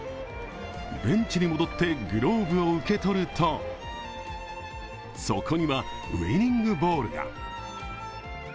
ベンチに戻って、グローブを受け取るとそこにはウイニングボールが。